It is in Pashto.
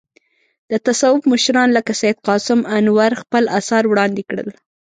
د تصوف مشران لکه سید قاسم انوار خپل اثار وړاندې کړل.